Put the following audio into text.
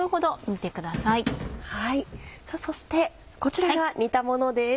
そしてこちらが煮たものです。